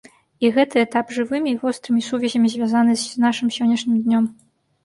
І гэты этап жывымі і вострымі сувязямі звязаны з нашым сённяшнім днём.